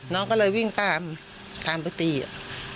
น้องก็เลยวิ่งตามตามไปตีอ่ะ